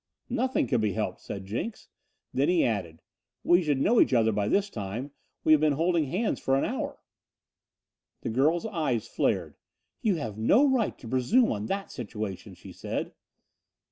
"Nothing can be helped," said Jenks. Then he added: "We should know each other by this time. We have been holding hands for an hour." The girl's eyes flared. "You have no right to presume on that situation," she said.